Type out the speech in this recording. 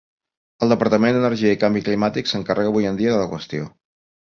El Departament d'Energia i Canvi Climàtic s'encarrega avui en dia de la qüestió.